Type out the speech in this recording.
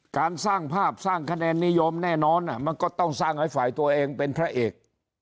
การสร้างภาพสร้างคะแนนนิยมแน่นอนมันก็ต้องสร้างให้ฝ่ายตัวเองเป็นพระเอก